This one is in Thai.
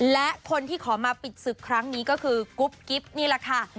และคนที่ขอมาปิดศึกครั้งนี้ก็คือกุ๊บกิ๊บนี่แหละค่ะ